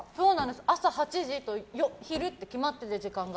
朝８時と昼と決まってて、時間が。